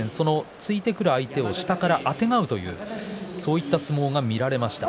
突いてくる相手を下からあてがうというそういう相撲が見られました。